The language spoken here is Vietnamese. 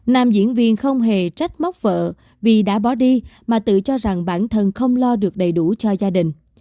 nam diễn viên không hề trách mốc vợ vì đã bỏ đi mà tự cho rằng bản thân không lo được đầy đủ cho gia đình